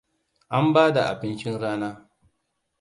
An bada abincin rana.